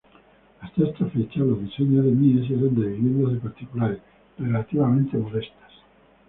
Hasta esta fecha los diseños de Mies eran de viviendas de particulares, relativamente modestas.